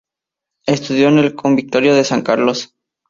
Estudió en el Convictorio de San Carlos.